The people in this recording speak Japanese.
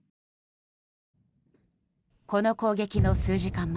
この攻撃の数時間